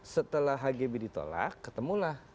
setelah hgb ditolak ketemulah